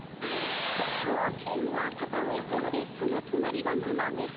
大きいのはパパ上さまでそのとなりがママ上さま。